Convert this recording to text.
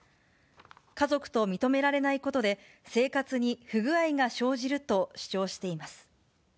家族と認められないことで、生活に不具合が生じると主張しています。